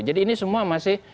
jadi ini semua masih